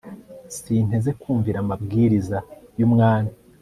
sinteze kumvira amabwiriza y'umwami